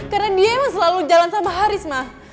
karena dia yang selalu jalan sama haris ma